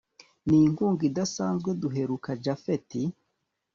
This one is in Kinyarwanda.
ninkunga idasanzweduheruka japhet